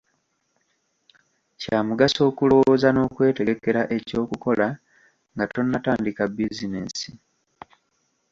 Kya mugaso okulowooza n’okwetegekera eky’okukola nga tonnatandika bizinensi.